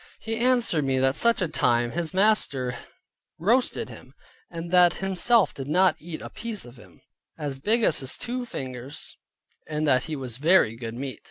He answered me that such a time his master roasted him, and that himself did eat a piece of him, as big as his two fingers, and that he was very good meat.